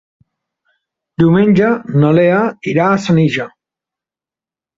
Diumenge na Lea irà a Senija.